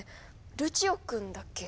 ルチオくんだっけ？